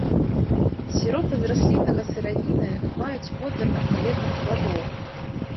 Сіропы з расліннага сыравіны маюць водар адпаведных пладоў.